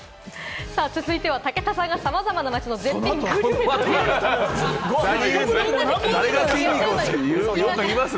続いては、武田さんがさまざまな街の絶品グルメと出合う、どこブラ。